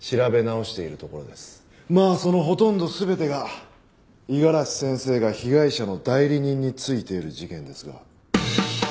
まあそのほとんど全てが五十嵐先生が被害者の代理人についている事件ですが。